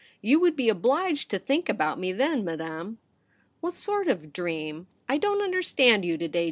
You would be obliged to think about me then, Madame.' ' What sort of dream ? I don't understand you to day.